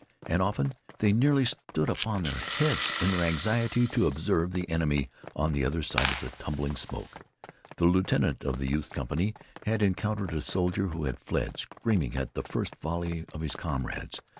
And often they nearly stood upon their heads in their anxiety to observe the enemy on the other side of the tumbling smoke. The lieutenant of the youth's company had encountered a soldier who had fled screaming at the first volley of his comrades.